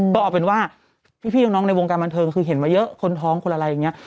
ก็เอาเป็นว่าพี่น้องในวงการบันเทิงคือเห็นมาเยอะคนท้องคนอะไรอย่างนี้